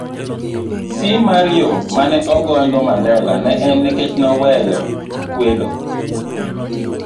C. mar Yo ma ne ogonygo Mandela ne en nikech ne oweyo kwedo